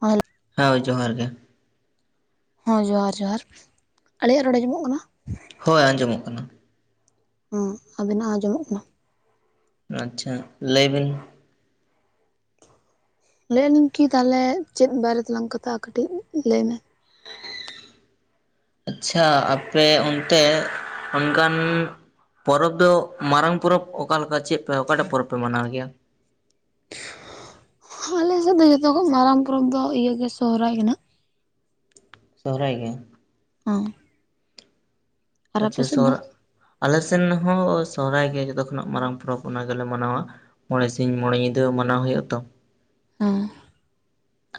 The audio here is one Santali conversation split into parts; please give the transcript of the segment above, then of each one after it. ᱟᱞ ᱦᱳᱭ ᱡᱚᱦᱟᱨ ᱜᱮ ᱦᱮ ᱡᱚᱦᱟᱨ ᱡᱚᱦᱟᱨ ᱟᱞᱮᱭᱟᱜ ᱨᱚᱲ ᱟᱡᱚᱢᱚᱜ ᱠᱟᱱᱟ ᱦᱳᱭ ᱟᱸᱡᱚᱢᱚᱜ ᱠᱟᱱᱟ ᱦᱩᱸ ᱟᱵᱮᱱᱟᱜ ᱟᱸᱡᱚᱢᱚᱜ ᱠᱟᱱᱟ ᱟᱪᱷᱟ ᱞᱟᱹᱭ ᱵᱤᱱ᱾ ᱞᱟᱹᱭᱮᱫ ᱞᱤᱧ ᱠᱤ ᱛᱟᱦᱚᱞᱮ ᱪᱮᱫ ᱵᱟᱨᱮ ᱛᱮᱞᱟᱝ ᱠᱟᱛᱷᱟᱼᱟ ᱠᱟᱹᱴᱤᱡ ᱞᱟᱹᱭ ᱢᱮ᱾ ᱟᱪᱪᱷᱟ ᱟᱯᱮ ᱚᱱᱛᱮ ᱚᱱᱠᱟᱱ ᱯᱚᱨᱚᱵᱽ ᱫᱚ ᱢᱟᱨᱟᱝ ᱯᱚᱨᱚᱵᱽ ᱚᱠᱟᱮ ᱞᱮᱠᱟ ᱪᱮᱫ ᱯᱮ ᱚᱠᱟᱴᱟᱜ ᱯᱚᱨᱚᱵᱽ ᱯᱮ ᱢᱟᱱᱟᱣ ᱜᱮᱭᱟ? ᱟᱞᱮᱥᱮᱫ ᱫᱚ ᱡᱚᱛᱚ ᱠᱷᱚᱱ ᱢᱟᱨᱟᱝ ᱯᱚᱨᱚᱵᱽ ᱫᱚ ᱤᱭᱟᱹ ᱜᱮ ᱥᱚᱦᱚᱨᱟᱭ ᱠᱟᱱᱟ᱾ ᱥᱚᱦᱚᱨᱟᱭ ᱜᱮ᱾ ᱚ ᱟᱪᱪᱷᱟ ᱥᱚᱦᱨᱟᱭ ᱟᱞᱮ ᱥᱮᱱ ᱦᱚᱸ ᱥᱚᱦᱚᱨᱟᱭ ᱜᱮ ᱡᱚᱛᱚ ᱠᱷᱚᱱᱟᱜ ᱢᱟᱨᱟᱝ ᱯᱚᱨᱚᱵᱽ ᱚᱱᱟ ᱜᱮᱞᱮ ᱢᱟᱱᱟᱣᱟ᱾ ᱢᱚᱬᱮ ᱥᱤᱧ ᱢᱚᱬᱮ ᱧᱤᱫᱟᱹ ᱢᱟᱱᱟᱣ ᱦᱩᱭᱩᱜᱼᱟ ᱛᱚ᱾ ᱚᱸ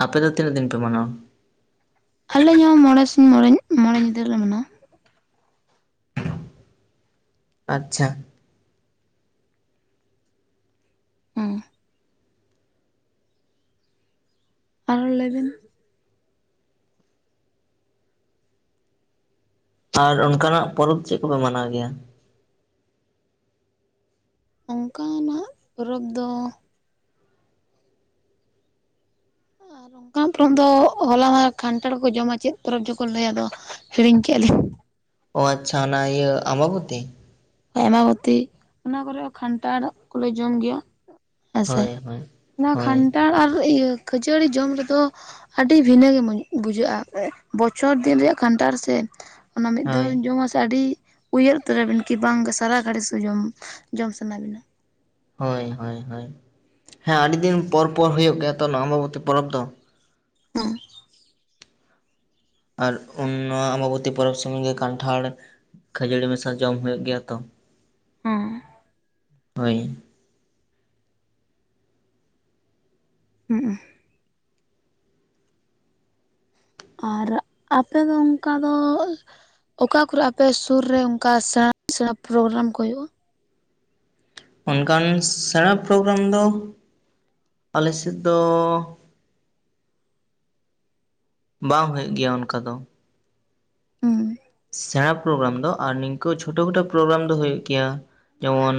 ᱟᱯᱮ ᱫᱚ ᱛᱤᱱᱟᱹᱜ ᱫᱤᱱ ᱯᱮ ᱢᱟᱱᱟᱣᱟ? ᱟᱞᱮᱧ ᱦᱚᱸ ᱢᱚᱬᱮ ᱥᱤᱧ ᱢᱚᱬᱮ ᱢᱚᱬᱮ ᱧᱤᱫᱟᱹ ᱞᱮ ᱢᱟᱱᱟᱣᱟ᱾ ᱟᱪᱪᱷᱟ ᱦᱮᱸ ᱟᱨᱚ ᱞᱟᱹᱭᱵᱤᱱ᱾ ᱟᱨ ᱚᱱᱠᱟᱱᱟᱜ ᱯᱚᱨᱚᱵᱽ ᱪᱮᱫ ᱠᱚᱯᱮ ᱢᱟᱱᱟᱣ ᱜᱮᱭᱟ? ᱚᱱᱠᱟᱱᱟᱜ ᱯᱚᱨᱚᱵᱽ ᱫᱚ ᱚᱱᱠᱟ ᱯᱚᱨᱚᱵᱽ ᱫᱚ ᱦᱚᱞᱟ ᱢᱟ ᱠᱟᱱᱴᱷᱟᱲ ᱠᱚ ᱡᱚᱢᱟ ᱪᱮᱫ ᱯᱚᱨᱚᱵᱽ ᱡᱠᱚ ᱞᱟᱹᱭᱟᱫᱚ᱾ ᱦᱤᱲᱤᱧ ᱠᱮᱜᱞᱤ ᱚ ᱟᱪᱪᱷᱟ ᱚᱱᱟ ᱤᱭᱟᱹ ᱟᱢᱵᱟᱵᱚᱛᱤ᱾ ᱟᱭᱢᱟᱵᱚᱛᱤ, ᱚᱱᱟ ᱠᱚᱨᱮ ᱦᱚᱸ ᱠᱷᱟᱱᱴᱟᱲ ᱠᱚᱞᱮ ᱡᱚᱢ ᱜᱮᱭᱟ᱾ ᱦᱮᱥᱮ? ᱦᱳᱭ ᱦᱳᱭ ᱱᱚᱣᱟ ᱦᱳᱭ ᱠᱷᱟᱱᱴᱟᱲ ᱟᱨ ᱟᱹᱭᱟᱹ ᱠᱷᱟᱹᱡᱟᱹᱲᱤ ᱡᱚᱢ ᱨᱮᱫᱚ ᱟᱹᱰᱤ ᱵᱷᱤᱱᱟᱹ ᱜᱮ ᱢᱟᱹᱧ ᱵᱩᱡᱷᱟᱹᱜᱼᱟ, ᱮ ᱵᱚᱪᱷᱚᱨ ᱫᱤᱱ ᱨᱮᱭᱟᱜ ᱠᱟᱱᱴᱟᱲ ᱥᱮ᱾ ᱚᱱᱟ ᱢᱤᱫ ᱦᱳᱭ ᱫᱷᱟᱹᱣᱮᱢ ᱡᱚᱢᱟ ᱥᱮ ᱟᱹᱰᱤ ᱩᱭᱦᱟᱹᱨ ᱩᱛᱟᱹᱨᱟᱵᱤᱱ᱾ ᱠᱤ ᱵᱟᱝ ᱜᱮ ᱥᱟᱨᱟ ᱜᱷᱟᱹᱲᱤ ᱥᱮ ᱡᱚᱢ, ᱡᱚᱢ ᱥᱟᱱᱟ ᱵᱤᱱᱟ᱾ ᱦᱳᱭ, ᱦᱳᱭ, ᱦᱳᱭ, ᱦᱮᱸ ᱟᱹᱰᱤᱫᱤᱱ ᱯᱚᱨ ᱯᱚᱨ ᱦᱳᱭᱳᱜ ᱜᱮᱭᱟ ᱛᱚ ᱱᱚᱣᱟ ᱟᱢᱵᱟᱵᱚᱛᱤ ᱯᱚᱨᱚᱵᱽ ᱫᱚ᱾ ᱦᱩᱸ᱾ ᱟᱨ ᱩᱱ ᱱᱚᱣᱟ ᱟᱢᱵᱟᱵᱚᱛᱤ ᱯᱚᱨᱚᱵᱽ ᱥᱩᱢᱩᱝ ᱜᱮ ᱠᱟᱱᱴᱷᱟᱲ, ᱠᱷᱟᱹᱡᱟᱹᱲᱤ ᱢᱮᱥᱟ ᱡᱚᱢ ᱦᱩᱭᱩᱜ ᱜᱮᱭᱟ ᱛᱚ᱾ ᱚᱸ᱾ ᱦᱳᱭ᱾ ᱩᱸ-ᱩᱸ᱾ ᱟᱨ ᱟᱯᱮ ᱫᱚ ᱚᱝᱠᱟ ᱫᱚ? ᱚᱠᱟ ᱠᱚᱨᱮ ᱟᱯᱮ ᱥᱩᱨ ᱨᱮ ᱚᱝᱠᱟ ᱥᱮᱬᱟ ᱥᱮᱬᱟ ᱯᱨᱳᱜᱨᱟᱢ ᱠᱚ ᱦᱩᱭᱩᱜᱼᱟ? ᱚᱱᱠᱟᱱ ᱥᱮᱬᱟ ᱯᱨᱳᱜᱨᱟᱢ ᱫᱚ ᱟᱞᱮ ᱥᱮᱫ ᱫᱚ ᱵᱟᱝ ᱦᱳᱭᱳᱜ ᱜᱮᱭᱟ ᱚᱱᱠᱟ ᱫᱚ᱾ ᱦᱩᱸ ᱥᱮᱸᱬᱟ ᱯᱨᱳᱜᱨᱟᱢ ᱫᱚ, ᱟᱨ ᱱᱤᱝᱠᱟᱹ ᱪᱷᱳᱴᱳ ᱠᱷᱳᱴᱳ ᱯᱨᱳᱜᱨᱟᱢ ᱫᱚ ᱦᱩᱭᱩᱜ ᱜᱮᱭᱟ᱾ ᱡᱮᱢᱚᱱ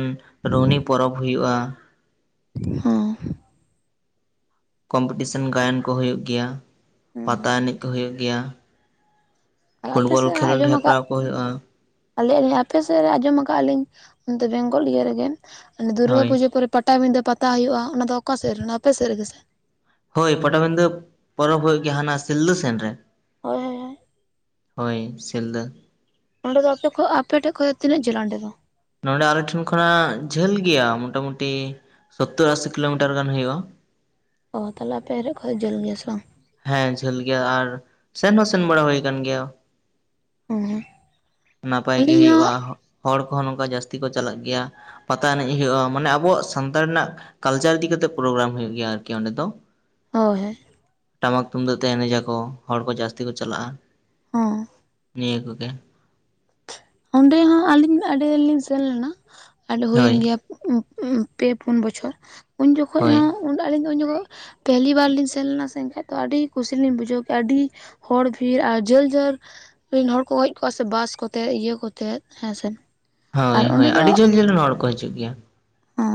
ᱨᱩᱦᱱᱤ ᱯᱚᱨᱚᱵᱽ ᱦᱩᱭᱩᱜᱼᱟ ᱦᱚᱸ ᱠᱚᱢᱯᱤᱴᱤᱥᱮᱱ ᱜᱟᱭᱟᱱ ᱠᱚ ᱦᱩᱭᱩᱜ ᱜᱮᱭᱟ ᱯᱟᱛᱟ ᱦᱮᱸ ᱮᱱᱮᱡ ᱠᱚ ᱦᱩᱭᱩᱜ ᱜᱮᱭᱟ ᱟᱨ ᱟᱯᱮ ᱯᱷᱩᱴᱵᱚᱞ ᱥᱮᱫ ᱠᱷᱮᱞᱳᱸᱰ ᱟᱸᱡᱚᱢ ᱟᱠᱟᱫ ᱦᱮᱯᱨᱟᱣ ᱠᱚ ᱦᱩᱭᱩᱜᱼᱟ ᱟᱞᱮᱭᱟᱜ ᱟᱹᱞᱤᱧ ᱟᱯᱮ ᱥᱮᱫ ᱨᱮ ᱟᱸᱡᱚᱢᱟ ᱠᱟᱜᱼᱟ ᱞᱤᱧ ᱚᱱᱛᱮ ᱵᱮᱝᱜᱚᱞ ᱤᱭᱟᱹ ᱨᱮᱜᱮ ᱫᱩᱨᱜᱟᱹ ᱦᱳᱭ ᱯᱩᱡᱟᱹ ᱯᱚᱨᱮ ᱯᱟᱴᱟᱵᱤᱫᱟᱹ ᱯᱟᱛᱟ ᱦᱩᱭᱩᱜᱼᱟ ᱚᱱᱟ ᱫᱚ ᱚᱠᱟ ᱥᱮᱜ ᱨᱮ ᱟᱯᱮ ᱥᱮᱜ ᱨᱮᱜᱮ ᱥᱮ ᱦᱳᱭ ᱯᱟᱴᱟᱵᱤᱱᱫᱷᱟᱹ ᱯᱚᱨᱚᱵᱽ ᱦᱩᱭᱩᱜ ᱜᱮᱭᱟ ᱦᱟᱱᱟ ᱥᱤᱞᱫᱟᱹ ᱥᱮᱱ ᱨᱮ [unintelligible] ᱦᱳᱭ ᱥᱤᱞᱫᱟᱹ ᱚᱸᱰᱮ ᱫᱚ ᱟᱯᱮ ᱠᱷᱚ ᱟᱯᱮᱴᱷᱮᱡ ᱠᱷᱚᱱᱚᱡ ᱛᱤᱱᱟᱹᱜ ᱡᱷᱟᱹᱞᱼᱟ ᱚᱸᱰᱮ ᱫᱚ ᱱᱚᱸᱰᱮ ᱟᱞᱮᱴᱷᱮᱱ ᱠᱷᱚᱱᱟᱜ ᱡᱷᱟᱹᱞ ᱜᱮᱭᱟ ᱢᱚᱴᱟᱢᱩᱴᱤ ᱥᱳᱛᱛᱳᱨ ᱟᱥᱤ ᱠᱤᱞᱳᱢᱤᱴᱟᱨ ᱜᱟᱱ ᱦᱳᱭᱳᱼᱟ᱾ ᱚ ᱛᱟᱦᱞᱮ ᱟᱯᱮ ᱦᱟᱨᱤᱡ ᱠᱷᱚᱡ ᱡᱷᱟᱹᱞ ᱜᱮᱭᱟ ᱥᱮ ᱵᱟᱝ? ᱦᱮᱸ ᱡᱷᱟᱹᱞ ᱜᱮᱭᱟ ᱟᱨ ᱥᱮᱱ ᱦᱚᱸ ᱥᱮᱱ ᱵᱟᱲᱟ ᱦᱩᱭ ᱠᱟᱱ ᱜᱮᱭᱟ ᱦᱩᱸ ᱦᱩᱸ ᱱᱟᱯᱟᱭ ᱜᱮ ᱟᱹᱞᱤᱧ ᱦᱩᱭᱩᱜᱼᱟ ᱦᱚᱲ ᱠᱚᱦᱚᱸ ᱱᱚᱝᱠᱟ ᱡᱟᱹᱥᱛᱤ ᱠᱚ ᱪᱟᱞᱟᱜ ᱜᱮᱭᱟ ᱯᱟᱛᱟ ᱮᱱᱮᱡ ᱦᱩᱭᱩᱜᱼᱟ ᱢᱟᱱᱮ ᱟᱵᱚᱣᱟᱜ ᱥᱟᱱᱛᱟᱲ ᱨᱮᱱᱟᱜ ᱠᱟᱞᱪᱟᱨ ᱤᱫᱤ ᱠᱟᱛᱮᱜ ᱯᱨᱳᱜᱨᱟᱢ ᱦᱩᱭᱩᱜ ᱜᱮᱭᱟ ᱟᱨᱠᱤ ᱚᱸᱰᱮ ᱫᱚ ᱦᱳᱭ ᱦᱳᱭ ᱴᱟᱢᱟᱠ ᱛᱩᱢᱫᱟᱹᱜ ᱛᱮ ᱮᱱᱮᱡᱟᱠᱚ ᱦᱚᱲ ᱠᱚ ᱡᱟᱹᱥᱛᱤ ᱠᱚ ᱪᱟᱞᱟᱜᱼᱟ, ᱦᱚᱸ ᱱᱤᱭᱟᱹ ᱠᱚᱜᱮ ᱚᱸᱰᱮ ᱦᱚᱸ ᱟᱹᱞᱤᱧ ᱟᱹᱰᱤ ᱫᱤᱱ ᱞᱤᱧ ᱥᱮᱱ ᱞᱮᱱᱟ ᱟᱹᱰᱚ ᱦᱩᱭᱮᱱ ᱦᱳᱭ ᱜᱮᱭᱟ ᱯᱮ ᱯᱩᱱ ᱵᱚᱪᱷᱚᱨ ᱩᱱ ᱡᱚᱠᱷᱚᱜ ᱦᱳᱭ ᱦᱚᱸ ᱟᱹᱞᱤᱧ ᱫᱚ ᱩᱱ ᱡᱚᱠᱷᱚᱡ ᱯᱮᱦᱞᱤ ᱵᱟᱨ ᱞᱤᱧ ᱥᱮᱱ ᱞᱮᱱᱟ ᱥᱮ ᱮᱱᱠᱷᱟᱡ ᱫᱚ ᱟᱹᱰᱤ ᱠᱩᱥᱤ ᱞᱤᱧ ᱵᱩᱡᱷᱟᱹᱣ ᱠᱮᱜ ᱟ ᱟᱹᱰᱤ ᱦᱚᱲ ᱵᱷᱤᱲ ᱟᱨ ᱡᱷᱟᱹᱞ ᱡᱷᱟᱹᱞ ᱨᱤᱱ ᱦᱚᱲ ᱠᱚ ᱜᱮᱡ ᱠᱚᱜᱼᱟ ᱥᱮ ᱵᱟᱥ ᱠᱚᱛᱮ ᱤᱭᱟᱹ ᱠᱚ ᱛᱮᱫ ᱦᱮᱸ ᱥᱮ ᱦᱳᱭ ᱦᱳᱭ ᱟᱹᱰᱤ ᱡᱷᱟᱹᱞ ᱡᱷᱟᱹᱞ ᱨᱮᱱ ᱦᱚᱲ ᱠᱚ ᱦᱤᱡᱩᱜ ᱜᱮᱭᱟ ᱦᱚᱸ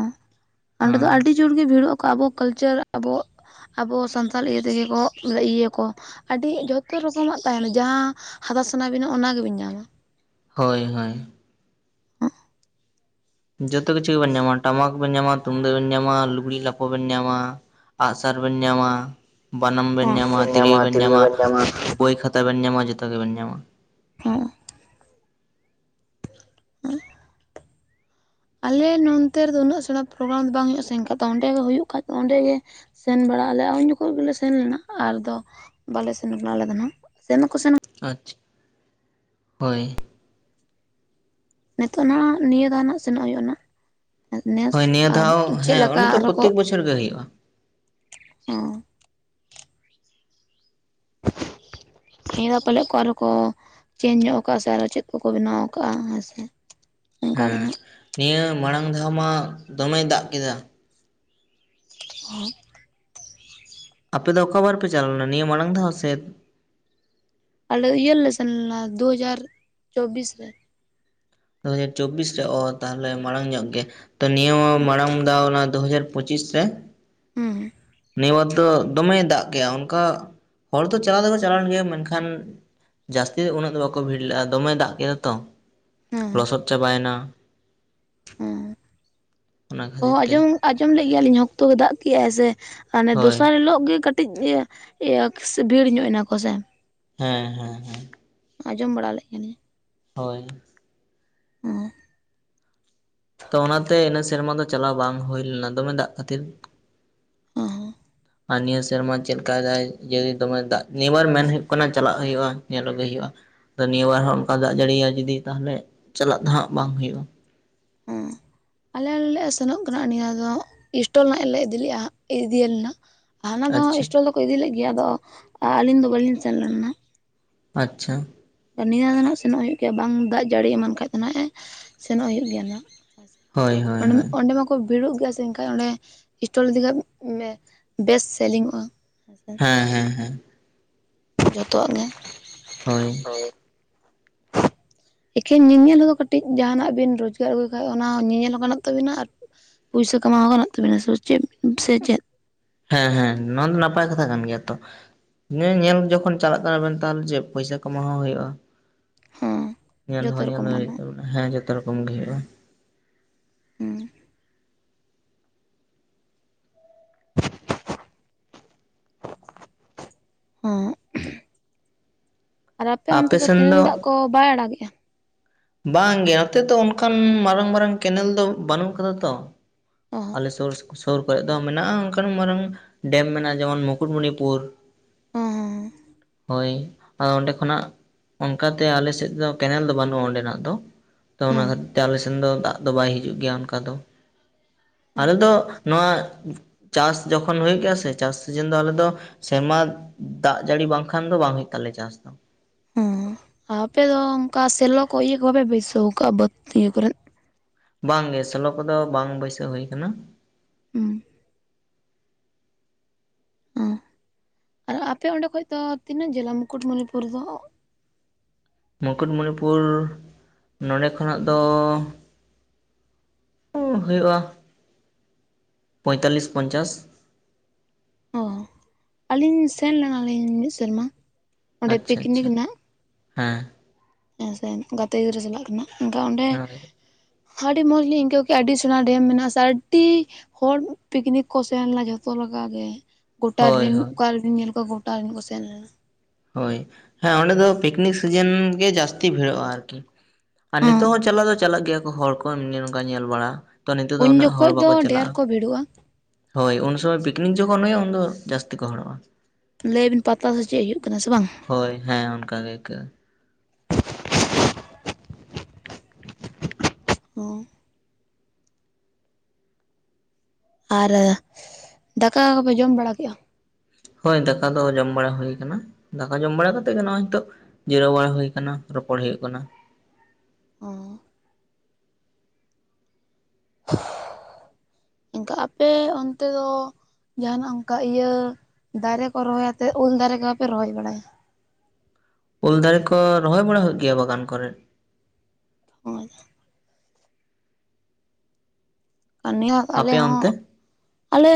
ᱚᱸᱰᱮ ᱦᱮᱸ ᱫᱚ ᱟᱹᱰᱤ ᱡᱳᱨᱜᱮ ᱵᱷᱤᱲᱚᱜ ᱟᱠᱚ ᱟᱵᱚ ᱠᱟᱞᱪᱟᱨ ᱟᱵᱚᱣᱟᱜ ᱟᱵᱚ ᱥᱟᱱᱛᱟᱞ ᱤᱭᱟᱹ ᱛᱮᱜᱮ ᱠᱚ ᱤᱭᱟᱹᱭ ᱟᱠᱚ ᱟᱹᱰᱤ ᱡᱷᱚᱛᱚ ᱨᱚᱠᱚᱢᱟᱜ ᱛᱟᱦᱮᱸᱱᱟ ᱡᱟᱦᱟᱸ ᱦᱟᱛᱟᱣ ᱥᱟᱱᱟ ᱵᱤᱱᱟ ᱚᱱᱟ ᱜᱮᱵᱤᱱ ᱧᱟᱢᱟ ᱦᱳᱭ ᱦᱳᱭ ᱡᱚᱛᱚ ᱠᱤᱪᱷᱩ ᱜᱮᱵᱮᱱ ᱧᱟᱢᱟ ᱴᱟᱢᱟᱠ ᱵᱮᱱ ᱧᱟᱢᱟ ᱛᱩᱢᱫᱟᱜ ᱵᱮᱱ ᱧᱟᱢᱟ ᱞᱩᱜᱽᱲᱤ ᱞᱟᱯᱚ ᱵᱮᱱ ᱧᱟᱢᱟ ᱟᱜᱼᱥᱟᱨ ᱵᱮᱱ ᱧᱟᱢᱟ ᱵᱟᱱᱟᱢ ᱵᱮᱱ ᱧᱟᱢᱟ ᱛᱤᱨᱭᱳ ᱵᱮᱱ ᱧᱟᱢᱟ ᱵᱳᱭ ᱠᱷᱟ- ᱛᱟ ᱵᱮᱱ ᱧᱟᱢᱟ ᱡᱚᱛᱚ ᱜᱮᱵᱮᱱ ᱧᱟᱢᱟ ᱦᱚᱸ [unintelligible] ᱟᱞᱮ ᱱᱚᱱᱛᱮ ᱨᱮᱫᱚ ᱩᱱᱟᱹᱜ ᱥᱮᱬᱟ ᱯᱨᱳᱜᱨᱟᱢ ᱫᱚ ᱵᱟᱝ ᱦᱩᱭᱩᱜᱼᱟ ᱥᱮ ᱚᱱᱠᱟ ᱚᱸᱰᱮ ᱜᱮ ᱦᱩᱭᱩᱜ ᱠᱷᱟᱱ ᱚᱸᱰᱮ ᱜᱮ ᱥᱮᱱ ᱵᱟᱲᱟᱜ ᱟᱞᱮ ᱩᱱ ᱡᱚᱠᱷᱚᱡ ᱜᱮᱞᱮ ᱥᱮᱱ ᱞᱮᱱᱟ ᱟᱨᱫᱚ ᱵᱟᱞᱮ ᱥᱮᱱ ᱠᱟᱲᱟᱼᱟ ᱟᱞᱮ ᱫᱚ ᱱᱦᱟᱜ ᱥᱮᱱ ᱫᱚᱠᱚ ᱥᱮᱱ ᱟᱪᱪᱷᱟ ᱦᱳᱭ ᱱᱤᱛᱚᱜ ᱦᱟᱜ ᱱᱤᱭᱟᱹ ᱫᱷᱟᱣ ᱱᱟᱜ ᱥᱮᱱᱚᱜ ᱦᱩᱭᱩᱜᱼᱟ ᱟᱹᱱᱦᱟᱜ ᱱᱮᱥ ᱦᱳᱭ ᱱᱤᱭᱟᱹ ᱟᱨ ᱫᱷᱟᱣ ᱪᱮᱫ ᱦᱮᱸ ᱞᱮᱠᱟ ᱚᱸᱰᱮ ᱫᱚ ᱟᱨᱦᱚᱸ ᱠᱚ ᱯᱨᱚᱛᱮᱠ ᱵᱚᱪᱷᱚᱨ ᱜᱮ ᱦᱩᱭᱩᱜᱼᱟ ᱚ [inaudible] ᱱᱤᱭᱟᱹ ᱫᱷᱟᱣ ᱯᱟᱞᱮᱜ ᱠᱚ ᱟᱨᱦᱚᱸ ᱠᱚ ᱪᱮᱧᱡᱽ ᱧᱚᱜ ᱟᱠᱟᱜ ᱥᱮ ᱟᱨᱚ ᱪᱮᱫ ᱠᱚ ᱠᱚ ᱵᱮᱱᱟᱣ ᱠᱟᱼᱟ ᱦᱮᱸ ᱥᱮ ᱦᱮᱸ ᱱᱤᱭᱟᱹ ᱢᱟᱲᱟᱝ ᱫᱷᱟᱣ ᱢᱟ ᱫᱚᱢᱮᱭ ᱫᱟᱜ ᱠᱮᱫᱟ [unintelligible] ᱟᱯᱮ ᱫᱚ ᱚᱠᱟ ᱵᱟᱨ ᱯᱮ ᱪᱟᱞᱟᱣ ᱞᱮᱱᱟ ᱱᱤᱭᱟᱹ ᱢᱟᱲᱟᱝ ᱫᱷᱟᱣ ᱥᱮᱫ ᱟᱞᱮ ᱤᱭᱟᱹ ᱨᱮ ᱞᱮ ᱥᱮᱱ ᱞᱮᱱᱟ ᱫᱩᱦᱟᱡᱟᱨ ᱪᱚᱵᱵᱤᱥ ᱨᱮ ᱫᱩ ᱦᱟᱡᱟᱨ ᱪᱚᱵᱽᱵᱤᱥ ᱨᱮ ᱚ ᱛᱟᱦᱚᱞᱮ ᱢᱟᱲᱟᱝ ᱧᱚᱜ ᱜᱮ ᱛᱚ ᱱᱤᱭᱟᱹ ᱢᱟᱲᱟᱝ ᱫᱷᱟᱣ ᱚᱱᱟ ᱫᱩᱦᱟᱡᱟᱨ ᱯᱚᱸᱪᱤᱥ ᱨᱮ ᱦᱩᱸ ᱱᱤᱭᱟᱹ ᱵᱟᱨ ᱫᱚ ᱫᱚᱢᱮ ᱫᱟᱜ ᱠᱮᱜᱼᱟ ᱚᱱᱠᱟ ᱦᱚᱲ ᱫᱚ ᱪᱟᱞᱟᱣ ᱫᱚᱠᱚ ᱪᱟᱞᱟᱣ ᱮᱱ ᱜᱮᱭᱟ ᱢᱮᱱᱠᱷᱟᱱ ᱡᱟᱹᱥᱛᱤ ᱫᱚ ᱩᱱᱟᱹᱜ ᱫᱚ ᱵᱟᱠᱚ ᱵᱷᱤᱲ ᱞᱟᱜᱼᱟ ᱫᱚᱢᱮ ᱫᱟᱜ ᱠᱮᱫᱟ ᱛᱚ ᱦᱩᱸ ᱞᱚᱥᱚᱫ ᱪᱟᱵᱟᱭ ᱮᱱᱟ ᱦᱩᱸ ᱚᱱᱟ ᱚ ᱠᱷᱟᱹᱛᱤᱨ ᱛᱮ ᱟᱸᱡᱚᱢ ᱟᱸᱡᱚᱢ ᱞᱮᱫ ᱜᱮᱭᱟᱞᱤᱧ ᱦᱚᱠᱛᱚ ᱫᱟᱜ ᱠᱮᱜᱼᱟᱭ ᱥᱮ ᱦᱟᱱᱮ ᱦᱳᱭ ᱫᱚᱥᱟᱨ ᱦᱤᱞᱳᱜ ᱜᱮ ᱠᱟᱹ- -ᱴᱤᱡ ᱤᱭᱟᱹ ᱠᱥ ᱵᱷᱤᱲ ᱧᱚᱜ ᱮᱱᱟᱠᱚ ᱥᱮ ᱦᱮᱸ ᱦᱮᱸ ᱦᱮᱸ ᱟᱸᱡᱚᱢ ᱵᱟᱲᱟ ᱞᱮᱫ ᱠᱟ. ᱱᱤᱧ ᱦᱳᱭ ᱦᱮᱸ ᱛᱚ ᱚᱱᱟᱛᱮ ᱤᱱᱟᱹ ᱥᱮᱨᱢᱟ ᱫᱚ ᱪᱟᱞᱟᱣ ᱵᱟᱝ ᱦᱩᱭ ᱞᱮᱱᱟ ᱫᱚᱢᱮ ᱫᱟᱜ ᱠᱷᱟᱹᱛᱤᱨ᱾ ᱦᱮᱸ ᱟᱨ ᱱᱤᱭᱟᱹ ᱥᱮᱨᱢᱟ ᱪᱮᱫᱠ ᱫᱟᱭ ᱡᱤ ᱫᱚᱢᱮ ᱫᱟᱜ ᱱᱤᱭᱟᱹᱵᱟᱨ ᱢᱮᱱ ᱦᱩᱭᱩᱜ ᱠᱟᱱᱟ ᱪᱟᱞᱟᱜ ᱦᱩᱭᱩᱜᱼᱟ ᱧᱮᱞ ᱟᱹᱜᱮ ᱦᱩᱭᱩᱜᱼᱟ᱾ ᱱᱤᱭᱟᱹ ᱵᱟᱨ ᱦᱚᱸ ᱚᱱᱠᱟ ᱫᱟᱜ ᱡᱟᱹᱲᱤᱭᱤᱭᱟ ᱡᱩᱫᱤ ᱛᱟᱦᱚᱞᱮ ᱪᱟᱞᱟᱜ ᱫᱚ ᱦᱟᱜ ᱵᱟᱝ ᱦᱩᱭᱩᱜᱼᱟ᱾ ᱦᱮᱸ ᱟᱞᱮ ᱞᱮ ᱥᱮᱱᱚᱜ ᱠᱟᱱᱟ ᱱᱤᱭᱟᱹ ᱫᱚ ᱤᱥᱴᱚᱞ ᱱᱟᱜ ᱞᱮ ᱤᱫᱤ ᱞᱮᱼᱟ ᱤᱫᱤ ᱭᱟᱞᱮᱱᱟ᱾ ᱦᱟᱱᱟ ᱫᱷᱟᱣ ᱦᱚᱸ ᱟᱪᱪᱷᱟ ᱤᱥᱴᱚᱞ ᱫᱚᱠᱚ ᱤᱫᱤ ᱞᱮᱫ ᱜᱮᱭᱟ ᱟᱫᱚ ᱟᱹᱞᱤᱧ ᱫᱚ ᱵᱟᱞᱤᱧ ᱥᱮᱱ ᱞᱮᱱᱟ᱾ ᱟᱪᱪᱷᱟ ᱱᱤᱭᱟᱹ ᱫᱚ ᱱᱟᱜ ᱥᱮᱱᱚᱜ ᱦᱩᱭᱩᱜ ᱜᱮᱭᱟ ᱵᱟᱝ ᱫᱟᱜ ᱡᱟᱹᱲᱤ ᱮᱢᱟᱱ ᱠᱷᱟᱡ ᱫᱚ ᱦᱟᱜ ᱮ ᱥᱮᱱᱚᱜ ᱦᱩᱭᱩᱜ ᱜᱮᱭᱟ ᱱᱟᱜ᱾ ᱦᱳᱭ ᱚ ᱦᱳᱭ ᱦᱳᱭ ᱚᱸᱰᱮ ᱢᱟᱠᱼᱼ ᱠᱷᱩᱵ ᱵᱷᱤᱲᱚᱜ ᱜᱮᱭᱟ ᱥᱮ ᱮᱱᱠᱟᱱᱡ ᱚᱸᱰᱮ ᱤᱥᱴᱚᱞ ᱤᱫᱤ ᱠᱟᱜ ᱢᱮ ᱵᱮᱥ ᱥᱮᱞᱤᱝ ᱚᱜᱼᱟ᱾ ᱦᱮᱸ ᱦᱮᱸ ᱦᱮᱸ ᱡᱚᱛᱚᱣᱟᱜ ᱜᱮ ᱦᱳᱭ ᱮᱠᱷᱮᱱ ᱧᱮᱧᱮᱞ ᱦᱚᱸᱫᱚ ᱠᱟᱹᱴᱤᱡ ᱡᱟᱦᱟᱱᱟᱜ ᱵᱮᱱ ᱨᱳᱡᱽᱜᱟᱨ ᱟᱹᱜᱩᱭ ᱠᱷᱟᱡ ᱚᱱᱟ ᱧᱮᱧᱮᱞ ᱦᱚᱸ ᱜᱟᱱᱚᱜ ᱛᱟᱹᱵᱤᱱᱟ ᱟᱨ ᱯᱩᱭᱥᱟ ᱠᱟᱢᱟᱣ ᱜᱟᱱᱚᱜ ᱛᱟᱵᱤᱱᱟ ᱥᱮ ᱪᱮᱫ ᱥᱮ ᱪᱮᱫ? ᱦᱮᱸ ᱦᱮᱸ ᱱᱚᱣᱟ ᱫᱚ ᱱᱟᱯᱟᱭ ᱠᱟᱛᱷᱟ ᱠᱟᱱ ᱜᱮᱭᱟ ᱛᱚ᱾ ᱧᱮ ᱧᱮᱞ ᱡᱚᱠᱷᱚᱱ ᱪᱟᱞᱟᱜ ᱠᱟᱱᱟ ᱵᱮᱱ ᱛᱟᱦᱞᱮ ᱡᱮ ᱯᱚᱭᱥᱟ ᱠᱟᱢᱟᱣ ᱦᱚᱸ ᱦᱩᱭᱩᱜᱼᱟ᱾ ᱦᱮᱸ ᱧᱮᱞ ᱡᱚᱛᱚ ᱦᱚᱸ ᱧᱮᱞ ᱨᱚᱠᱚᱢ ᱦᱚᱸ ᱦᱩᱭᱩᱜ ᱜᱟᱱᱚᱜᱼᱟ ᱛᱟᱵᱚᱱᱟ ᱦᱮᱸ ᱡᱷᱚᱛᱚ ᱨᱚᱠᱚᱢ ᱜᱮ ᱦᱩᱭᱩᱜᱼᱟ᱾ ᱦᱩᱸ ᱟᱨ ᱟᱯᱮ ᱚᱱᱛᱮ ᱫᱚ ᱠᱮᱱᱮᱞ ᱫᱟᱜ ᱠᱚ ᱠᱚ ᱵᱟᱭ ᱟᱲᱟᱜᱮᱜᱼᱟ ᱵᱟᱝ ᱜᱮ ᱱᱚᱛᱮ ᱫᱚ ᱚᱱᱠᱟᱱ ᱢᱟᱨᱟᱝ ᱢᱟᱨᱟᱝ ᱠᱮᱱᱮᱞ ᱫᱚ ᱵᱟᱹᱱᱩᱜ ᱟᱠᱟᱫᱟ ᱛᱚ᱾ ᱚ ᱟᱞᱮ ᱥᱩᱨ ᱥᱩᱨ ᱠᱚᱨᱮ ᱫᱚ ᱢᱮᱱᱟᱜᱼᱟ ᱚᱱᱠᱟᱱ ᱢᱟᱨᱟᱝ ᱰᱮᱢ ᱢᱮᱱᱟᱜᱼᱟ ᱡᱮᱢᱚᱱ ᱢᱩᱠᱩᱴᱢᱩᱱᱤᱯᱩᱨ᱾ ᱦᱚᱸ ᱦᱳᱭ ᱚᱸᱰᱮ ᱠᱷᱚᱱᱟᱜ ᱚᱱᱠᱟᱛᱮ ᱟᱞᱮ ᱥᱮᱫ ᱫᱚ ᱠᱮᱱᱮᱞ ᱫᱚ ᱵᱟᱹᱱᱩᱜᱼᱟ ᱚᱸᱰᱮᱱᱟᱜ ᱫᱚ ᱛᱚ ᱚᱱᱟ ᱦᱚᱸ ᱠᱷᱟᱨᱮ ᱛᱮ ᱟᱞᱮᱥᱱ ᱫᱚ ᱫᱟᱜ ᱫᱚ ᱵᱟᱭ ᱦᱤᱡᱩᱜ ᱜᱮᱭᱟ ᱚᱱᱠᱟ ᱫᱚ᱾ ᱦᱚᱸ ᱟᱞᱮᱚ ᱫᱚ ᱱᱚᱣᱟ ᱪᱟᱥ ᱡᱚᱠᱷᱚᱱ ᱦᱤᱡᱩᱜ ᱜᱮᱭᱟ ᱥᱮ ᱪᱟᱥ ᱥᱤᱡᱮᱱ ᱫᱚ ᱟᱞᱮᱫᱚ ᱾ ᱥᱮᱨᱢᱟ ᱫᱟᱜ ᱡᱟᱹᱲᱤ ᱵᱟᱝᱠᱷᱟᱱ ᱫᱚ ᱵᱟᱝ ᱦᱩᱭᱩᱜ ᱛᱟᱞᱮᱭᱟ ᱪᱟᱥ ᱫᱚ᱾ ᱦᱩᱸ ᱟᱯᱮᱫᱚ ᱚᱱᱠᱟ ᱥᱮᱞᱚ ᱠᱚ ᱤᱭᱟᱹ ᱠᱚ ᱵᱟᱯᱮ ᱵᱟᱹᱭᱥᱟᱹᱣ ᱠᱟᱜᱼᱟ ᱵᱟᱹᱫᱽ ᱤᱭᱟᱹ ᱠᱚᱨᱮ? ᱵᱟᱝ ᱜᱮ ᱥᱞᱳ ᱠᱚᱫᱚ ᱵᱟᱝ ᱵᱟᱹᱭᱥᱟᱹᱣ ᱦᱩᱭ ᱟᱠᱟᱱᱟ᱾ ᱦᱩᱸ ᱦᱚᱸ ᱟᱨ ᱟᱯᱮ ᱚᱸᱰᱮ ᱠᱷᱚᱡ ᱫᱚ ᱛᱤᱱᱟᱹᱜ ᱡᱷᱟᱹᱞ-ᱟ ᱢᱩᱠᱩᱴᱢᱩᱱᱤᱯᱩᱨ ᱫᱚ? ᱢᱩᱠᱩᱴᱢᱩᱱᱤᱯᱩᱨ ᱱᱚᱰᱮ ᱠᱷᱚᱱᱟᱜ ᱫᱚ ᱚ ᱦᱩᱭᱩᱜᱼᱟ ᱯᱚᱸᱭᱛᱟᱞᱞᱤᱥ ᱯᱚᱧᱪᱟᱥ ᱚ ᱟᱹᱞᱤᱧ ᱥᱮᱱ ᱞᱮᱱᱟᱞᱤᱧ ᱢᱤᱫ ᱥᱮᱨᱢᱟ ᱚᱸᱰᱮ ᱟᱪᱪᱷᱟ ᱯᱤᱠᱱᱤᱠ ᱟᱪᱪᱷᱟ ᱱᱟᱦᱟᱜ ᱦᱮᱸ ᱦᱮᱸ ᱥᱮ ᱜᱟᱛᱮ ᱜᱤᱫᱽᱨᱟᱹ ᱥᱟᱞᱟᱜ ᱠᱟᱱᱟ ᱮᱱᱠᱷᱟᱱ ᱚᱸᱰᱮ ᱦᱳᱭ ᱟᱹᱰᱤ ᱢᱚᱸᱡᱽᱞᱤᱧ ᱟᱹᱭᱠᱟᱹᱣ ᱠᱮᱫ ᱟᱹᱰᱤ ᱥᱚᱱᱟ ᱰᱮᱢ ᱢᱮᱱᱟᱜᱼᱟ ᱥᱮ ᱟᱹᱰᱤ ᱦᱚᱲ ᱯᱤᱠᱱᱤᱠ ᱠᱚ ᱥᱮᱱᱞᱮᱱᱟ ᱡᱷᱚᱛᱚ ᱞᱮᱠᱟ ᱜᱮ᱾ ᱜᱚᱴᱟ ᱦᱳᱭ ᱨᱮᱱ ᱦᱳᱭ ᱚᱠᱟ ᱨᱮᱵᱮᱱ ᱧᱮᱞ ᱠᱚᱣᱟ ᱜᱚᱴᱟ ᱨᱮᱱ ᱠᱚ ᱥᱮᱱ ᱞᱮᱱᱟ᱾ ᱦᱳᱭ ᱦᱮᱸ ᱚᱸᱰᱮ ᱫᱚ ᱯᱤᱠᱱᱤᱠ ᱥᱤᱡᱮᱱ ᱜᱮ ᱡᱟᱹᱥᱛᱤ ᱵᱷᱤᱲᱚᱜᱼᱟ ᱟᱨᱠᱤ᱾ ᱟᱨ ᱱᱤᱛᱚᱜ ᱦᱚᱸ ᱪᱟᱞᱟᱣ ᱫᱚ ᱪᱟᱞᱟᱜ ᱜᱮᱭᱟ ᱠᱚ ᱦᱚᱲ ᱠᱚ ᱮᱢᱱᱤ ᱱᱚᱝᱠᱟ ᱧᱮᱞ ᱵᱟᱲᱟ᱾ ᱛᱚ ᱱᱤᱛᱚᱜ ᱫᱚ ᱩᱱ ᱩᱱᱟᱹᱜ ᱦᱚᱲ ᱡᱚᱠᱷᱚᱡ ᱫᱚ ᱵᱟᱠᱚ ᱰᱷᱮᱨ ᱪᱟᱞᱟᱜᱼᱟ᱾ ᱠᱚ ᱵᱷᱤᱲᱚᱜᱼᱟ ᱦᱳᱭ ᱩᱱ ᱥᱚᱢᱚᱭ ᱯᱤᱠᱱᱤᱠ ᱡᱚᱠᱷᱚᱱ ᱦᱩᱭᱩᱜ-ᱟ ᱩᱱ ᱫᱚ ᱡᱟᱹᱥᱛᱤ ᱠᱚ ᱦᱚᱲᱚᱜᱼᱟ᱾ ᱞᱟᱹᱭᱵᱤᱱ ᱯᱟᱛᱟ ᱥᱮ ᱪᱮᱫ ᱦᱩᱭᱩᱜ ᱠᱟᱱᱟ ᱥᱮ ᱵᱟᱝ? ᱦᱳᱭ ᱦᱮᱸ ᱚᱱᱠᱟ ᱜᱮ ᱟᱹᱭᱠᱟᱹᱜ ᱟ ᱾ ᱚ ᱟᱨ ᱫᱟᱠᱟ ᱠᱚᱯᱮ ᱡᱚᱢ ᱵᱟᱲᱟ ᱠᱮᱜ-ᱟ? ᱦᱳᱭ ᱫᱟᱠᱟ ᱫᱚ ᱡᱚᱢ ᱵᱟᱲᱟ ᱦᱩᱭ ᱠᱟᱱᱟ᱾ ᱫᱟᱠᱟ ᱡᱚᱢ ᱵᱟᱲᱟ ᱠᱟᱛᱮᱜ ᱜᱮ ᱱᱚᱜ-ᱚᱭ ᱦᱤᱛᱳᱜ ᱡᱤᱨᱟᱹᱣ ᱵᱟᱲᱟ ᱦᱩᱭ ᱟᱠᱟᱱᱟ ᱨᱚᱯᱚᱲ ᱦᱩᱭᱩᱜ ᱠᱟᱱᱟ᱾ ᱚ ᱚᱝᱠᱟ ᱟᱯᱮ ᱚᱱᱛᱮ ᱫᱚ ᱡᱟᱦᱟᱱᱟᱜ ᱚᱝᱠᱟ ᱤᱭᱟᱹ ᱫᱟᱨᱮ ᱠᱚ ᱨᱚᱦᱚᱭ ᱟᱛᱮᱜ ᱩᱞ ᱫᱟᱨᱮ ᱠᱚ ᱵᱟᱯᱮ ᱨᱚᱦᱚᱭ ᱵᱟᱲᱟᱭᱟ? ᱩᱞ ᱫᱟᱨᱮ ᱠᱚ ᱨᱚᱦᱚᱭ ᱵᱟᱲᱟ ᱦᱩᱭᱩᱜ ᱜᱮᱭᱟ ᱵᱟᱜᱟᱱ ᱠᱚᱨᱮ᱾ ᱚ ᱟᱫᱟ ᱟᱱᱤ ᱦᱚᱸ ᱟᱞᱮ ᱟᱯᱮ ᱦᱚᱸ ᱚᱱᱛᱮ ᱟᱞᱮ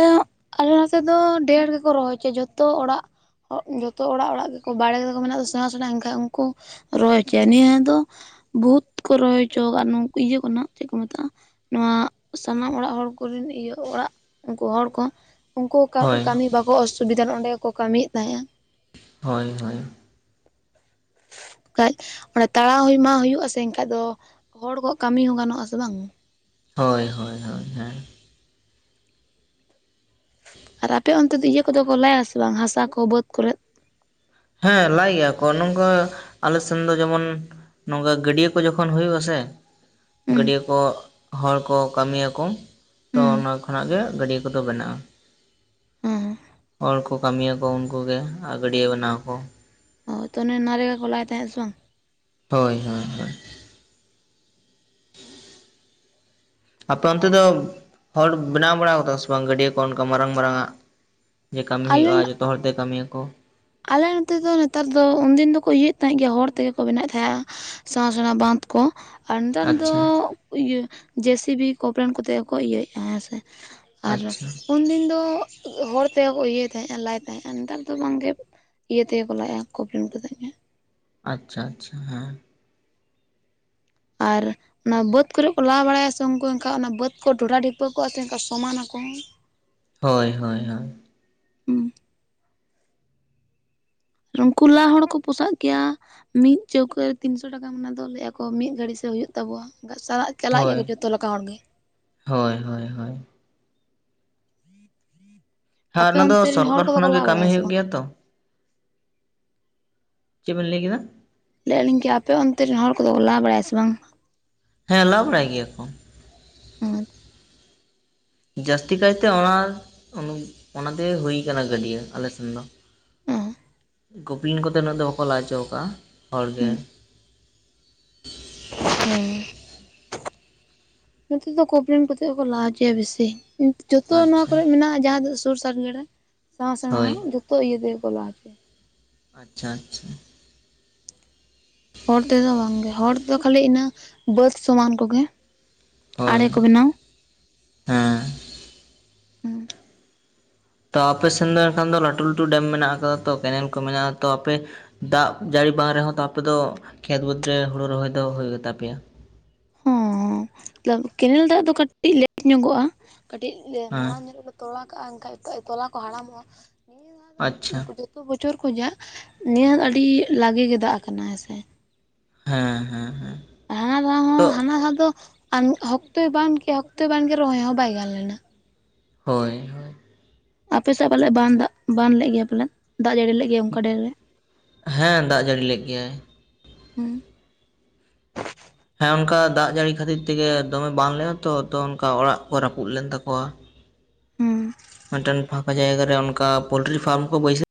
ᱟᱞᱮ ᱱᱚᱛᱮ ᱫᱚ ᱰᱷᱮᱨ ᱜᱮᱠᱚ ᱨᱚᱦᱚᱭ ᱚᱪᱚ ᱡᱚᱛᱚ ᱚᱲᱟᱜ ᱡᱚᱛᱚ ᱚᱲᱟᱜ ᱚᱲᱟᱜ ᱜᱮᱠᱚ ᱵᱟᱲᱮ ᱨᱮᱠᱚ ᱠᱚ ᱢᱮᱱᱟᱜ ᱫᱚ ᱥᱮᱬᱟ ᱥᱮᱬᱟ ᱮᱱᱠᱷᱟᱡ ᱩᱝᱠᱩ ᱨᱚᱦᱚᱭ ᱦᱚᱪᱚᱭᱟ ᱱᱤᱭᱟᱹ ᱫᱚ ᱵᱩᱦᱩᱛ ᱠᱚ ᱨᱚᱦᱚᱭ ᱦᱚᱪᱚ ᱟᱠᱟᱫ-ᱟ ᱤᱭᱟᱹ ᱠᱚᱨᱮᱱᱟᱜ ᱪᱮᱫ ᱠᱚ ᱢᱮᱛᱟᱜ-ᱟ ᱱᱚᱣᱟ ᱥᱟᱱᱟᱢ ᱚᱲᱟᱜ ᱦᱚᱲ ᱠᱚᱨᱮᱱ ᱤᱭᱟᱹ ᱚᱲᱟᱜ ᱩᱱᱠᱩ ᱦᱚᱲ ᱠᱚ ᱩᱱᱠᱩ ᱦᱳᱭ ᱠᱟᱹᱢᱤ ᱵᱟᱠᱚ ᱚᱥᱩᱵᱤᱫᱟ ᱚᱸᱰᱮ ᱜᱮ ᱠᱚ ᱠᱟᱹᱢᱤᱭᱮᱫ ᱛᱟᱦᱮᱸᱜ-ᱟ ᱦᱳᱭ ᱦᱳᱭ ᱠᱷᱟᱡ ᱚᱱᱟ ᱛᱟᱲᱟᱣ ᱦᱩᱭᱢᱟ ᱦᱩᱭᱩᱜ-ᱟ ᱥᱮ ᱮᱱᱠᱷᱟᱡ ᱫᱚ ᱦᱚᱲ ᱠᱚᱣᱟᱜ ᱠᱟᱹᱢᱤ ᱦᱚᱸ ᱜᱟᱱᱚᱜ-ᱟ ᱥᱮ ᱵᱟᱝ? ᱦᱳᱭ ᱦᱳᱭ ᱦᱳᱭ ᱦᱮᱸ [inaudible] ᱟᱨ ᱟᱯᱮ ᱚᱱᱛᱮ ᱫᱚ ᱤᱭᱟᱹ ᱠᱚᱫᱚ ᱠᱚ ᱞᱟᱭᱟ ᱥᱮ ᱵᱟᱝ ᱦᱟᱥᱟ ᱠᱚ ᱵᱟᱹᱫᱽ ᱠᱚᱨᱮᱜ? ᱦᱮᱸ ᱞᱟᱭ ᱜᱮᱭᱟ ᱠᱚ ᱱᱚᱝᱠᱟ ᱟᱞᱮ ᱥᱮᱱ ᱫᱚ ᱡᱮᱢᱚᱱ ᱱᱚᱝᱠᱟ ᱜᱟᱹᱰᱭᱟᱹ ᱠᱚ ᱡᱚᱠᱷᱚᱱ ᱦᱩᱭᱩᱜ-ᱟᱥᱮ ᱦᱩᱸ ᱜᱟᱹᱰᱭᱟᱹ ᱠᱚ ᱦᱚᱲ ᱠᱚ ᱠᱟᱹᱢᱤᱭᱟᱠᱚ ᱛᱚ ᱦᱩᱸ ᱚᱱᱟ ᱠᱷᱚᱱᱟᱜ ᱜᱮ ᱜᱟᱹᱰᱭᱟᱹ ᱠᱚᱫᱚ ᱵᱮᱱᱟᱜ-ᱟ᱾ ᱦᱮᱸ ᱦᱚᱲ ᱠᱚ ᱠᱟᱹᱢᱤᱭᱟᱠᱚ ᱩᱱᱠᱩ ᱜᱮ ᱟᱨ ᱜᱟᱹᱰᱭᱟᱹ ᱵᱮᱱᱟᱣᱟ ᱠᱚ᱾ ᱦᱳ ᱛᱚ ᱚᱱᱮ ᱚᱱᱟ ᱨᱮᱜᱟ ᱠᱚ ᱞᱟᱭ ᱛᱟᱦᱮᱸᱜ ᱟᱥᱮ ᱵᱟᱝ? ᱦᱳᱭ ᱦᱳᱭ ᱦᱳᱭ ᱦᱚᱜ-ᱚ ᱟᱯᱮ ᱚᱱᱛᱮ ᱫᱚ ᱦᱚᱲ ᱵᱮᱱᱟᱣ ᱵᱟᱲᱟᱣ ᱠᱟᱫᱟ ᱥᱮ ᱵᱟᱝ ᱜᱟᱹᱰᱭᱟᱹ ᱠᱚ ᱚᱝᱠᱟ ᱢᱟᱨᱟᱝ ᱢᱟᱨᱟᱝ ᱟᱜ? ᱡᱮ ᱠᱟᱹᱢᱤ ᱟᱞᱮ ᱦᱩᱭᱩᱜᱭ-ᱟ ᱡᱚᱛᱚ ᱦᱚᱲ ᱛᱮ ᱠᱟᱹᱢᱤᱭᱟ ᱟᱠᱚ᱾ ᱟᱞᱮ ᱱᱚᱛᱮ ᱫᱚ ᱱᱮᱛᱟᱨ ᱫᱚ ᱩᱱᱫᱤᱱ ᱫᱚᱠᱚ ᱤᱭᱟᱹᱭᱮᱫ ᱛᱟᱦᱮᱸ ᱜᱮᱭᱟ ᱦᱚᱲ ᱛᱮᱜᱮ ᱠᱚ ᱵᱮᱱᱟᱣᱮᱜ ᱛᱟᱦᱮᱸᱜ-ᱟ᱾ ᱥᱮᱬᱟ ᱥᱮᱬᱟ ᱵᱟᱸᱫᱷ ᱠᱚ᱾ ᱟᱨ ᱱᱮᱛᱟᱨ ᱫᱚ ᱟᱪᱪᱷᱟ ᱤᱭᱟᱹ ᱡᱮ ᱥᱤ ᱵᱤ ᱠᱚᱯᱞᱮᱱ ᱠᱚᱛᱮ ᱜᱮᱠᱚ ᱤᱭᱟᱹᱭᱮᱜ-ᱟ ᱦᱮᱸ ᱥᱮ᱾ ᱟᱨ ᱟᱪᱪᱷᱟ ᱩᱱᱫᱤᱱ ᱫᱚ ᱦᱚᱲ ᱛᱮᱜᱮ ᱠᱚ ᱤᱭᱟᱹᱭ ᱛᱟᱦᱮᱸᱜ-ᱟ ᱞᱟᱭ ᱛᱟᱦᱮᱸᱜ-ᱟ ᱱᱮᱛᱟᱨ ᱫᱚ ᱵᱟᱝᱜᱮ ᱤᱭᱟᱹ ᱛᱮᱜᱮ ᱠᱚ ᱞᱟᱭᱮᱜ-ᱟ ᱠᱚᱵᱞᱮᱢ ᱠᱚᱛᱮᱜ ᱜᱮ᱾ ᱟᱪᱪᱷᱟ ᱟᱪᱪᱷᱟ ᱦᱮᱸ ᱟᱨ ᱚᱱᱟ ᱵᱟᱹᱫᱽ ᱠᱚᱨᱮ ᱠᱚ ᱞᱟ ᱵᱟᱲᱟᱭᱟ ᱥᱮ ᱩᱝᱠᱩ ᱮᱱᱠᱷᱟ ᱚᱱᱟ ᱵᱟᱹᱫᱽ ᱠᱚ ᱰᱷᱚᱰᱰᱟ ᱰᱷᱤᱯᱟᱹ ᱠᱚᱜ ᱟᱛᱮ ᱚᱝᱠᱟ ᱥᱚᱢᱟᱱᱟᱠᱚ᱾ ᱦᱳᱭ ᱦᱳᱭ ᱦᱳᱭ ᱩᱱᱠᱩ ᱞᱟ ᱦᱚᱲ ᱠᱚ ᱯᱚᱥᱟᱜ ᱠᱮᱭᱟ ᱢᱤᱫ ᱪᱟᱹᱣᱠᱟᱹ ᱨᱮ ᱛᱤᱱᱥᱚ ᱴᱟᱠ ᱫᱚᱢ ᱚᱱᱟ ᱫᱚ ᱞᱟᱹᱭᱟ ᱠᱚ ᱢᱤᱜ ᱜᱷᱟᱹᱲᱤ ᱥᱮ ᱦᱩᱭᱩᱜ ᱛᱟᱵᱚᱣᱟ ᱚᱝᱠᱟ ᱥᱟᱨᱟᱜ ᱪᱟᱞᱟᱜ ᱦᱳᱭ ᱜᱮᱭᱟ ᱠᱚ ᱡᱚᱛᱚ ᱞᱮᱠᱟ ᱦᱚᱲᱜ ᱜᱮ᱾ ᱦᱳᱭ ᱦᱳᱭ ᱦᱳᱭ ᱦᱟ ᱟᱯᱮ ᱚᱱᱟ ᱫᱚ ᱚᱱᱛᱮ ᱨᱮᱱ ᱥᱚᱨᱠᱟᱨ ᱦᱚᱲ ᱠᱚᱫᱚ ᱠᱚ ᱠᱷᱚᱱᱟᱜ ᱜᱮ ᱞᱟ ᱠᱟᱹᱢᱤ ᱵᱟᱲᱟᱭᱟ ᱥᱮ ᱦᱩᱭᱩᱜ ᱵᱟᱝ ᱜᱮᱭᱟ ᱛᱚ᱾ ᱪᱮᱜ ᱵᱮᱱ ᱞᱟᱹᱭ ᱠᱮᱫᱟ? ᱞᱟᱹᱭᱮᱜᱼᱟᱞᱤᱧ ᱠᱤ ᱟᱯᱮ ᱨᱮᱱ ᱦᱚᱲ ᱠᱚᱫᱚ ᱞᱟ ᱵᱟᱲᱟᱭᱟ ᱥᱮ ᱵᱟᱝ? ᱦᱮᱸ ᱞᱟ ᱵᱟᱲᱟᱭ ᱜᱮᱭᱟ ᱠᱚ᱾ ᱡᱟᱹᱥᱛᱤ ᱠᱟᱭᱛᱮ ᱚᱱᱟ ᱩᱱ ᱚᱱᱟᱛᱮ ᱜᱮ ᱦᱩᱭ ᱠᱟᱱᱟ ᱜᱟᱹᱰᱭᱟᱹ ᱟᱞᱮᱥᱮᱱ ᱫᱚ᱾ ᱚ ᱦᱚ ᱜᱳᱯᱞᱮᱱ ᱠᱚᱛᱮ ᱩᱱᱟᱹᱜ ᱫᱚ ᱵᱟᱠᱚ ᱞᱟ ᱚᱪᱚᱣ ᱠᱟᱜ-ᱟ ᱦᱚᱲ ᱜᱮ ᱦᱩᱸ ᱱᱚᱛᱮ ᱫᱚ ᱠᱚᱯᱞᱮᱢ ᱠᱚᱛᱮᱜ ᱜᱮ ᱠᱚ ᱞᱟ ᱦᱚᱪᱚᱭᱟ ᱵᱮᱥᱤ ᱡᱚᱛᱚ ᱱᱚᱣᱟ ᱟᱪᱪᱷᱟ ᱠᱚᱨᱮ ᱢᱮᱱᱟᱜᱼᱟ ᱡᱟᱦᱟᱸ ᱫᱚ ᱥᱩᱨ ᱥᱟᱸᱨᱜᱮᱲᱮ [inaudible] ᱦᱳᱭ ᱡᱩᱛᱚ ᱤᱭᱟᱹ ᱛᱮᱜᱮ ᱠᱚ ᱞᱟᱦᱚᱪᱚᱭᱟ ᱟᱪᱪᱷᱟ ᱟᱪᱪᱷᱟ ᱦᱚᱲ ᱛᱮᱫᱚ ᱵᱟᱝᱜᱮ ᱦᱚᱲ ᱛᱮᱫᱚ ᱠᱷᱟᱹᱞᱤ ᱤᱱᱟᱹ ᱵᱟᱹᱫ ᱥᱚᱢᱟᱱ ᱠᱚᱜᱮ ᱦᱳᱭ ᱟᱲᱮ ᱠᱚ ᱵᱮᱱᱟᱣ ᱦᱮᱸ [inaudible] ᱛᱚ ᱟᱯᱮ ᱥᱮᱱ ᱫᱚ ᱮᱰᱸᱮ ᱠᱷᱟᱱ ᱫᱚ ᱞᱟᱹᱴᱩ ᱞᱟᱹᱴᱩ ᱰᱮᱢ ᱢᱮᱱᱟᱜ ᱠᱟᱫᱟ ᱛᱚ ᱠᱮᱱᱮᱞ ᱠᱚ ᱢᱮᱱᱟᱜᱼᱟ ᱛᱚ ᱟᱯᱮ ᱫᱟᱜ ᱡᱟᱹᱲᱤ ᱵᱟᱝ ᱨᱮᱦᱚᱸ ᱛᱚ ᱟᱯᱮ ᱫᱚ ᱠᱷᱮᱛ ᱵᱟᱹᱫᱽ ᱨᱮ ᱦᱳᱲᱳ ᱨᱚᱦᱚᱭ ᱫᱚ ᱦᱳᱭᱳᱜ ᱜᱮᱛᱟ ᱯᱮᱭᱟ ᱦᱚᱸ ᱢᱚᱛᱞᱚᱵ ᱠᱮᱱᱮᱞ ᱫᱟᱜ ᱫᱚ ᱠᱟᱹᱴᱤᱡ ᱞᱮᱴ ᱧᱚᱜᱚᱜᱼᱟ ᱠᱟᱹᱴᱤᱡ ᱦᱮᱸ ᱢᱟᱲᱟᱝ ᱧᱚᱜ ᱛᱚᱲᱟ ᱠᱟᱜᱼᱟ ᱮᱱᱠᱷᱟᱡ ᱛᱚᱞᱟ ᱠᱚ ᱦᱟᱲᱟᱢᱚᱜᱼᱟ ᱟᱪᱪᱷᱟ ᱛᱳ ᱵᱚᱪᱷᱚᱨ ᱠᱷᱚᱡᱟᱜ ᱱᱤᱭᱟᱹ ᱟᱹᱰᱤ ᱞᱟᱜᱮ ᱜᱮ ᱫᱟᱜ ᱟᱠᱟᱱᱟ ᱦᱮᱸ ᱥᱮ᱾ ᱦᱮᱸ ᱦᱮᱸ ᱦᱮᱸ ᱦᱟᱱᱟ ᱫᱷᱟᱣ ᱛᱚ ᱦᱚᱸ ᱦᱟᱱᱟ ᱫᱷᱟᱣ ᱫᱚ ᱟᱱ ᱦᱚᱠᱛᱚᱭ ᱵᱟᱱ ᱠᱮᱭᱟ ᱦᱚᱠᱛᱚᱭ ᱵᱟᱝᱜᱮ ᱨᱚᱦᱚᱭ ᱦᱚᱸ ᱵᱟᱭ ᱜᱟᱱ ᱞᱮᱱᱟ᱾ ᱦᱳᱭ ᱦᱳᱭ ᱟᱯᱮᱥᱮᱫ ᱯᱟᱞᱮᱫ ᱵᱟᱱ ᱫᱟᱜ ᱵᱟᱱ ᱞᱮᱫ ᱜᱮᱭᱟ ᱯᱟᱞᱮᱱ ᱫᱟᱜ ᱡᱟᱹᱲᱤ ᱞᱮᱫ ᱜᱮᱭᱟ ᱚᱱᱠᱟ ᱰᱷᱮᱨ ᱨᱮ ᱦᱮᱸ ᱫᱟᱜ ᱡᱟᱹᱲᱤ ᱞᱮᱜ ᱜᱮᱭᱟᱭ ᱦᱩᱸ ᱦᱮᱸ ᱚᱱᱠᱟ ᱫᱟᱜ ᱡᱟᱹᱲᱤ ᱠᱷᱟᱹᱛᱤᱨ ᱛᱮᱜᱮ ᱫᱚᱢᱮ ᱵᱟᱱ ᱞᱮᱱᱟ ᱛᱚ ᱚᱱᱠᱟ ᱚᱲᱟᱜ ᱠᱚ ᱨᱟᱹᱯᱩᱫ ᱞᱮᱱ ᱛᱟᱠᱚᱣᱟ ᱦᱩᱸ ᱢᱤᱫᱴᱮᱱ ᱯᱷᱟᱸᱠᱟ ᱡᱟᱭᱜᱟ ᱨᱮ ᱚᱱᱠᱟ ᱯᱳᱞᱴᱨᱤ ᱯᱷᱟᱨᱢ ᱠᱚ ᱵᱟᱹᱭᱥᱟᱹ